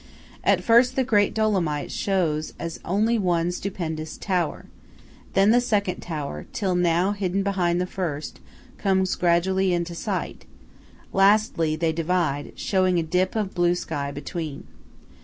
At first the great Dolomite shows as only one stupendous tower; then the second tower, till now hidden behind the first, comes gradually into sight; lastly, they divide, showing a dip of blue sky between.